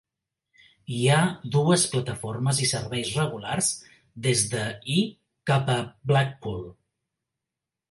Hi ha dues plataformes i serveis regulars des de i cap a Blackpool.